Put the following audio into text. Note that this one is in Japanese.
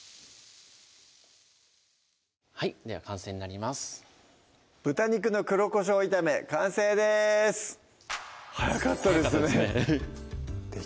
はいでは完成になります「豚肉の黒コショウ炒め」完成です早かったですね早かったですね